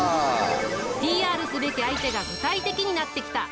ＰＲすべき相手が具体的になってきた。